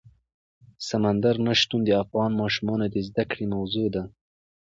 سمندر نه شتون د افغان ماشومانو د زده کړې موضوع ده.